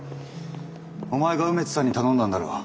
お前が梅津さんに頼んだんだろ？